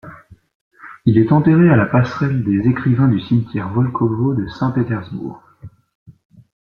Il est enterré à la passerelle des écrivains du cimetière Volkovo de Saint-Pétersbourg.